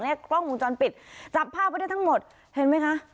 เนี่ยคล่องมุมจรปิดจับผ้าไปได้ทั้งหมดเห็นไหมคะ